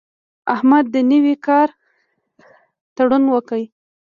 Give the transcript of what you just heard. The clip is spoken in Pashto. احمد د نوي کار تړون وکړ.